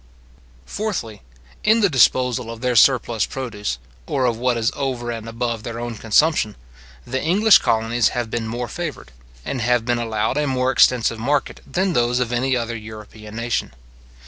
Fourthly, In the disposal of their surplus produce, or of what is over and above their own consumption, the English colonies have been more favoured, and have been allowed a more extensive market, than those of any other European nation.